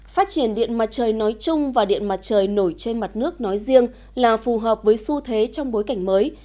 phát triển điện mặt trời nói chung và điện mặt trời nổi trên mặt nước nói riêng là phù hợp với xu thế trong bối cảnh mới